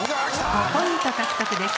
５ポイント獲得です。